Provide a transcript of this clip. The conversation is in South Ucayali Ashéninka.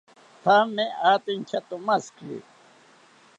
Thame ate inchatomashiki